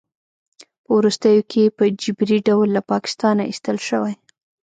په وروستیو کې په جبري ډول له پاکستانه ایستل شوی